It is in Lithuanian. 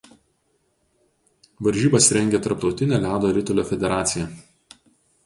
Varžybas rengia Tarptautinė ledo ritulio federacija.